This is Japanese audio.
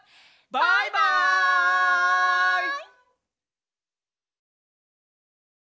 バイバイ！